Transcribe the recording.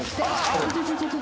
ちょちょちょちょ。